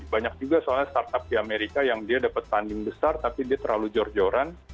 banyak juga soalnya startup di amerika yang dia dapat tanding besar tapi dia terlalu jor joran